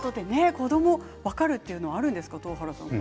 子ども、分かるということがあるんですか？